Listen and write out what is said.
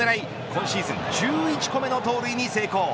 今シーズン１１個目の盗塁に成功。